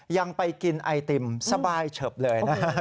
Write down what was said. ยังไปกินไอติมสบายเฉิบเลยนะครับ